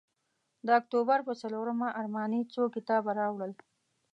د اکتوبر پر څلورمه ارماني څو کتابه راوړل.